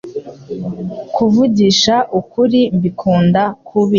kuvugisha ukuri mbikunda kubi